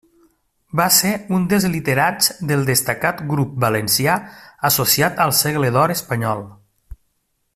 Va ser un dels literats del destacat grup valencià associat al Segle d'or espanyol.